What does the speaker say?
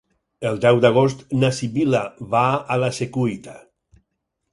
El deu d'agost na Sibil·la va a la Secuita.